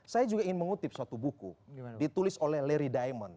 saya juga ingin mengutip suatu buku ditulis oleh larry diamond